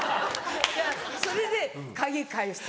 それで「鍵返して」。